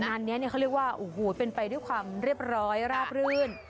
งานนี้เขาเรียกว่าโอ้โหเป็นไปด้วยความเรียบร้อยราบรื่น